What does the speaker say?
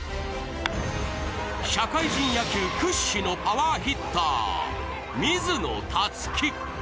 社会人野球屈指のパワーヒッター・水野達稀。